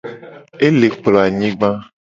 Ele kplo anyigba.